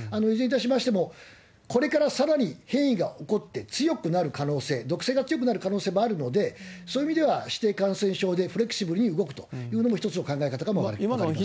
いずれにいたしましても、これからさらに変異が起こって強くなる可能性、毒性が強くなる可能性があるので、そういう意味では、指定感染症でフレキシブルに動くというのも、一つの考え方もあると思います。